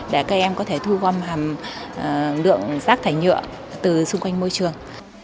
để các em có thể thu gom hàm lượng rác thải nhựa từ xung quanh môi trường